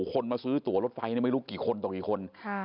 คนมาซื้อตัวรถไฟไม่รู้กี่คนต่อกี่คน